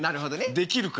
できるか。